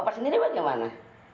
bapak sendiri bagaimana